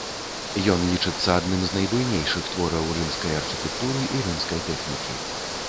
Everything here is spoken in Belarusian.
Ён лічыцца адным з найбуйнейшых твораў рымскай архітэктуры і рымскай тэхнікі.